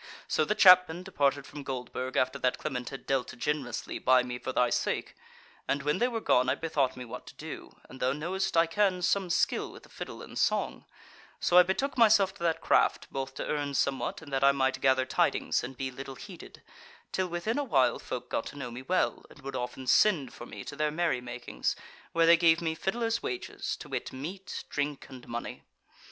So the Chapmen departed from Goldburg after that Clement had dealt generously by me for thy sake; and when they were gone I bethought me what to do, and thou knowest I can some skill with the fiddle and song, so I betook myself to that craft, both to earn somewhat and that I might gather tidings and be little heeded, till within awhile folk got to know me well, and would often send for me to their merry makings, where they gave me fiddler's wages, to wit, meat, drink, and money.